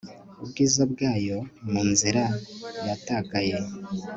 Ubwiza bwayo mu nzira yatakaye